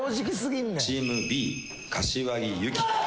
「チームＢ柏木由紀」